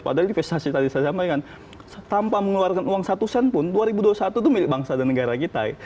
padahal investasi tadi saya sampaikan tanpa mengeluarkan uang satu sen pun dua ribu dua puluh satu itu milik bangsa dan negara kita ya